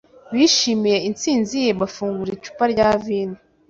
Bishimiye intsinzi ye bafungura icupa rya vino.